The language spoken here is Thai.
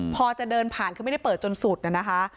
พอจะเดินผ่านคือไม่ได้เปิดจนสุดนะคะ